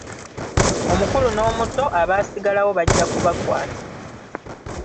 Omukulu n'omuto abaasigalawo bajja kubakwata.